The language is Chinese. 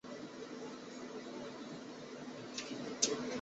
神户市营地铁是由神户市交通局所营运之地铁。